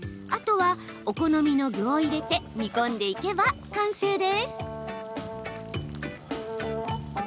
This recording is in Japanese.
あとはお好みの具を入れて煮込んでいけば完成です。